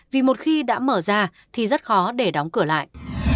vì một khi đã mở ra thì rất khó để đóng cửa lại